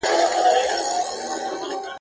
راستي کمي نه لري.